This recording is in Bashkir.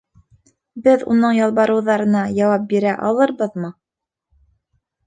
Беҙ уның ялбарыуҙарына яуап бирә алырбыҙмы?